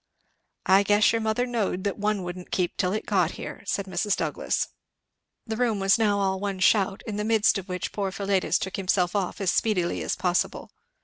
"I guess your mother knowed that one wouldn't keep till it got here," said Mrs. Douglass. The room was now all one shout, in the midst of which poor Philetus took himself off as speedily as possible.